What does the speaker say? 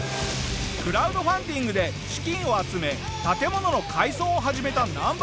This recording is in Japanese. クラウドファンディングで資金を集め建物の改装を始めたナンバさん。